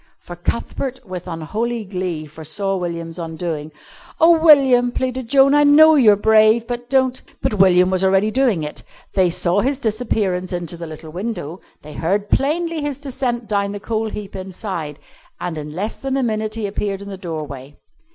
For Cuthbert, with unholy glee, foresaw William's undoing. "Oh, William," pleaded Joan, "I know you're brave, but don't " But William was already doing it. They saw his disappearance into the little window, they heard plainly his descent down the coal heap inside, and in less than a minute he appeared in the doorway.